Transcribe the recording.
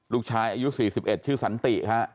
ลูกชายอายุ๔๑ชื่อสันติฮะ